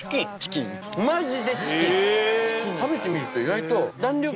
食べてみると意外と。